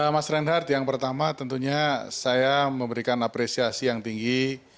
mas reinhardt yang pertama tentunya saya memberikan apresiasi yang tinggi